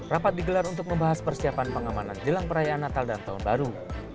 rapat digelar untuk membahas persiapan pengamanan jelang perayaan natal dan tahun baru